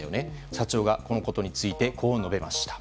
社長が、このことについてこう述べました。